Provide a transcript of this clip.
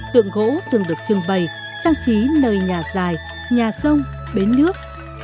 tượng gỗ thường được trưng bày trang trí nơi nhà dài nhà sông bến nước